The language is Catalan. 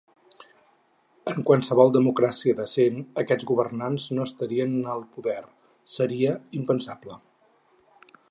En qualsevol democràcia decent aquests governants no estarien en el poder, seria impensable.